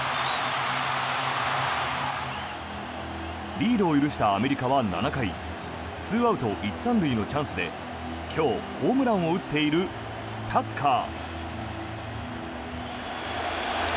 リードを許したアメリカは７回２アウト１・３塁のチャンスで今日ホームランを打っているタッカー。